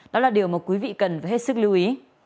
đó là điều mà quý vị cần phải hết sức lưu ý